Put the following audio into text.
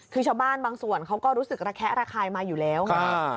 คือชาวบ้านบางส่วนเขาก็รู้สึกระแคะระคายมาอยู่แล้วไง